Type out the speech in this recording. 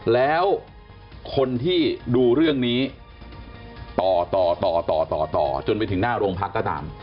แล้วคนที่ดูเรื่องนี้ต่อต่อต่อจนไปถึงหน้าโรงพักก็ตาม